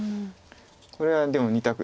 これはでも２択。